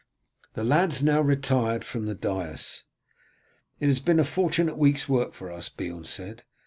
The lads now retired from the dais. "It has been a fortunate week's work for us," Beorn said.